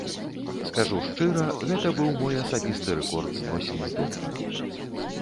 Скажу шчыра, гэта быў мой асабісты рэкорд зносін з доктарам.